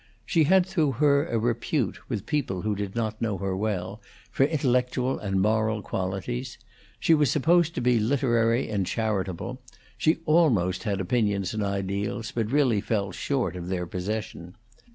She had through her a repute, with people who did not know her well, for intellectual and moral qualities; she was supposed to be literary and charitable; she almost had opinions and ideals, but really fell short of their possession.